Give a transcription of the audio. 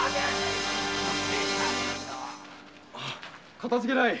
かたじけない。